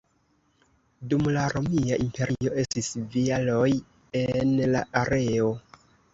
Dum la Romia Imperio estis vilaoj en la areo.